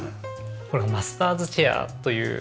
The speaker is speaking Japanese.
これはマスターズチェアという。